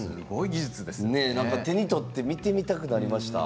手に取って見てみたくなりました。